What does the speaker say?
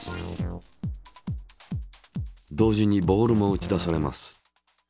同時にボールも打ち出されます。